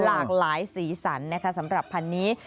หลากหลายสีสันนะคะสำหรับพันธุ์นี้